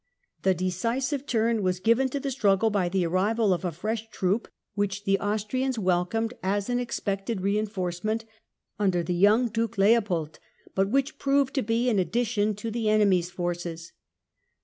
The decisive turn was given to the struggle by the arrival of a fresh troop, which the Austrians welcomed as an expected re inforce ment under the young Duke Leopold, but which proved to be an addition to the enemy's forces.